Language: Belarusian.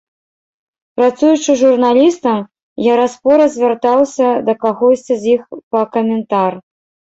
Працуючы журналістам, я раз-пораз звяртаўся да кагосьці з іх па каментар.